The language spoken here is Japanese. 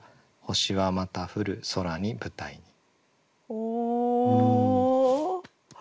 お！